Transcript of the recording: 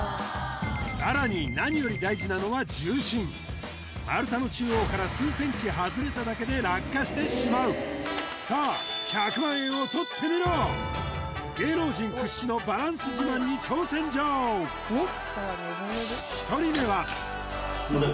さらに何より大事なのは重心丸太の中央から数ｃｍ外れただけで落下してしまうさあ１００万円をとってみろ芸能人屈指のバランス自慢に挑戦状すいません